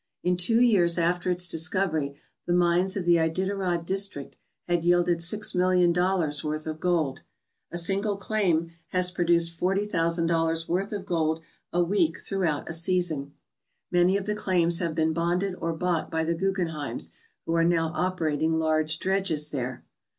In two years after its discovery the mines of the Iditarod district had yielded six million dollars' worth of gold. A single claim has produced forty thousand dollars' worth of gold a week throughout a season. Many of the claims have been bonded or bought by the Guggenheims, who are now operating large dredges there.